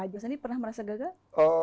pak sandi pernah merasa gagal